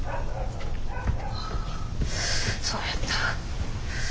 あそうやった。